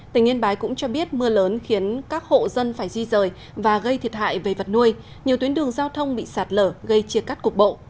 tỉnh yên bái cũng cho biết mưa lớn khiến các hộ dân phải di rời và gây thiệt hại về vật nuôi nhiều tuyến đường giao thông bị sạt lở gây chia cắt cục bộ